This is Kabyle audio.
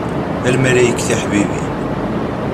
A lmalayek tiḥbibin.